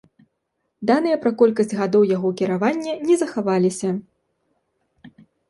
Даныя пра колькасць гадоў яго кіравання не захаваліся.